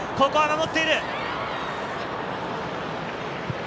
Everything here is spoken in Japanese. ここは守っている。